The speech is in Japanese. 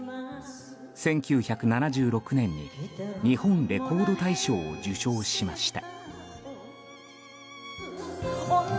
１９７６年に日本レコード大賞を受賞しました。